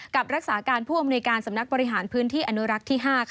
รักษาการผู้อำนวยการสำนักบริหารพื้นที่อนุรักษ์ที่๕